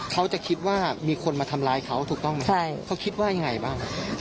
เขาจะคิดว่ามีคนมาทำร้ายเขาถูกต้องไหมใช่เขาคิดว่ายังไงบ้าง